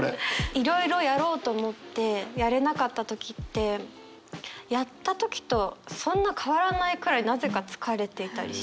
いろいろやろうと思ってやれなかった時ってやった時とそんな変わらないくらいなぜか疲れていたりして。